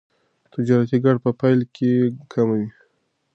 تجارتي ګټه په پیل کې کمه وي.